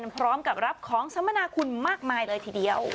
พร้อมกับรับของสมนาคุณมากมายเลยทีเดียว